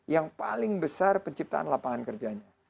yang paling besar penciptaan lapangan kerjanya